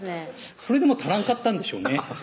それでも足らんかったんでしょうね